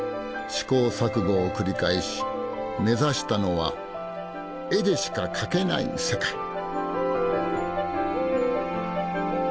試行錯誤を繰り返し目指したのは「絵でしか描けない世界」。